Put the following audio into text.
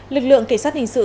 lực lượng kỳ sát hình sự